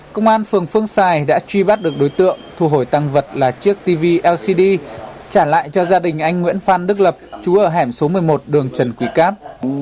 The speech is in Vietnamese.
công an phường phương xài đã truy bắt được đối tượng thu hồi tăng vật là chiếc tv lcd trả lại cho gia đình anh nguyễn phan đức lập chú ở hẻm số một mươi một đường trần quý cát